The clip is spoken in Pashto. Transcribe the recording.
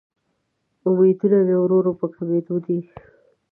امیدونه مې ورو ورو په کمیدو دې